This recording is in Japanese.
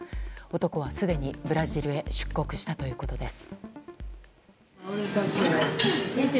男はすでにブラジルへ出国したということです。